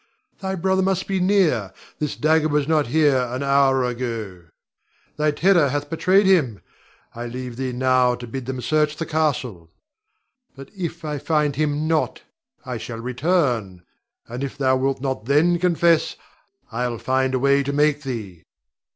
Thy brother must be near, this dagger was not here an hour ago. Thy terror hath betrayed him. I leave thee now to bid them search the castle. But if I find him not, I shall return; and if thou wilt not then confess, I'll find a way to make thee.